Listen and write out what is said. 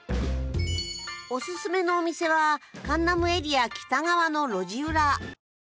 おススメのお店はカンナムエリア北側の路地裏。